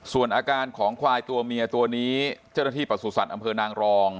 ส่วนอาการของควายตัวเมียตัวนี้เจ้าหน้าที่ประสุทธิ์อำเภอนางรอง